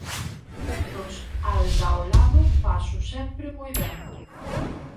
Nos Aldaolado pásoo sempre moi ben.